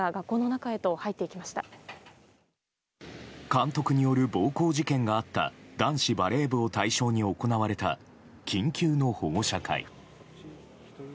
監督による暴行事件があった男子バレー部を対象に行われた緊急の保護者会。